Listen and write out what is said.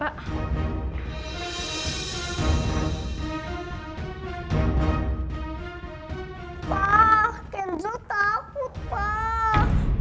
pak kenzo takut pak